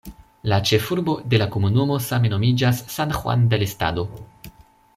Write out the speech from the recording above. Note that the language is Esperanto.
La ĉefurbo de la komunumo same nomiĝas "San Juan del Estado".